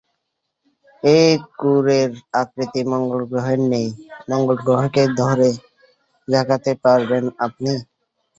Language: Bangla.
এই কোরের আকৃতি মঙ্গলগ্রহের ন্যায়, মঙ্গলগ্রহকে ধরে ঝাঁকাতে পারবেন আপনি?